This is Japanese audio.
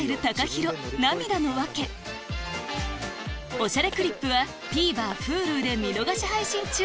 『おしゃれクリップ』はＴＶｅｒＨｕｌｕで見逃し配信中